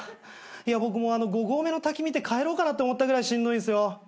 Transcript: いや僕もう５合目の滝見て帰ろうかなって思ったぐらいしんどいんすよ。